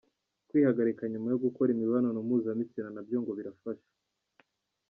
Kwihagarika nyuma yo gukora imibonano mpuzabitsina na byo ngo birafasha.